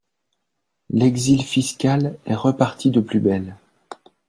L’exil fiscal est reparti de plus belle.